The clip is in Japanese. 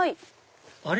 あれ？